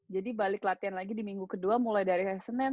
jadi balik latihan lagi di minggu kedua mulai dari senin